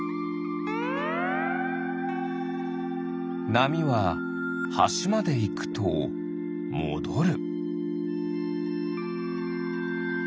なみははしまでいくともどる。